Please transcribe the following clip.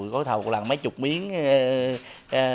một lần mấy chục miếng